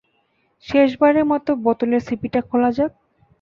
শেষবারের মতো বোতলের ছিপিটা খোলা যাক?